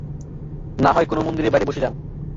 নাহয় কোনো মন্দিরের বাইরে বসে যান।